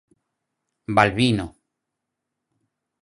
Balbino.